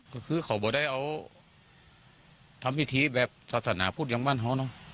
ก็คือเขาก็ได้เอาทำพิธีแบบศาสนาพุทธอย่างบ้านเขาเนอะ